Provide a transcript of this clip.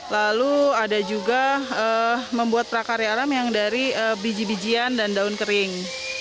lalu ada juga membuat prakarya alam yang dari biji bijian dan daun kering